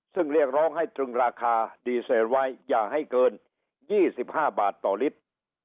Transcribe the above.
ซึ่งเรียกร้องให้ตรึงราคาดีเซลไว้อย่าให้เกิน๒๕บาทต่อลิตร